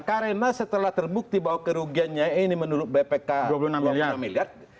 karena setelah terbukti bahwa kerugiannya ini menurut bpk dua puluh enam miliar